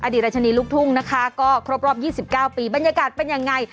รัชนีลูกทุ่งนะคะก็ครบรอบ๒๙ปีบรรยากาศเป็นยังไง